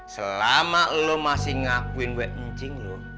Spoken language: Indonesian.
selama lu masih ngakuin gue ncing lu